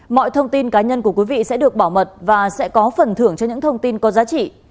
mọi thông tin cá nhân của quý vị sẽ được bảo mật và sẽ có phần thưởng cho những thông tin có giá trị